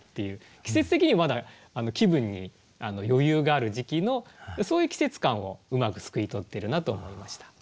季節的にもまだ気分に余裕がある時期のそういう季節感をうまくすくい取ってるなと思いました。